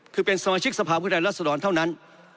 คือเป็นสมาชิกสภาพุทธรัศดรเท่านั้น